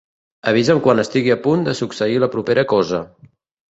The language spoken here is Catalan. Avisa'm quan estigui a punt de succeir la propera cosa.